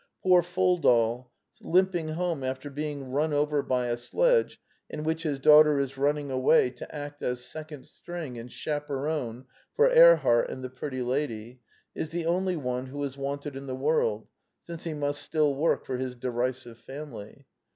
Poor Foldal, limping home after being run over by a sledge in which his daughter is running away to act as " second string " and chaperone for Erhart and the pretty lady, is the only one who is wanted in the world, since he must still work for his derisive family.